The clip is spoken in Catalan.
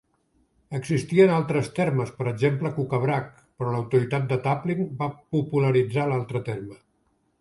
Existien altres termes, per exemple, "Kukabrak", però l'autoritat de Taplin va popularitzar l'altre terme.